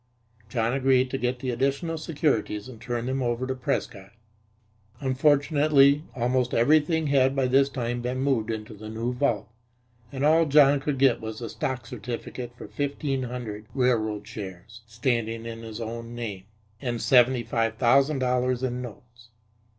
John agreed to get the additional securities and turn them over to Prescott. Unfortunately, almost everything had by this time been moved into the new vault, and all John could get was a stock certificate for fifteen hundred railroad shares, standing in his own name, and seventy five thousand dollars in notes.